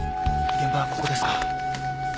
現場はここですか？